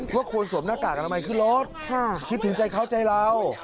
ควรสวมหน้ากากอนามัยขึ้นรถคิดถึงใจเขาใจเรา